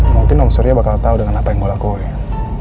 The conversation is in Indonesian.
mungkin om surya bakal tau dengan apa yang gue lakuin